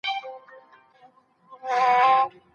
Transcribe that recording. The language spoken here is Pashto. خلګ بايد پاکو اوبو او برېښنا ته لاسرسی ولري.